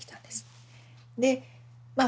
でまあ